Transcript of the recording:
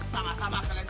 sama sama kalian juga